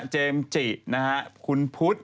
เจมส์จินะฮะคุณพุทธ